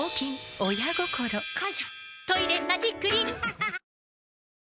親心！感謝！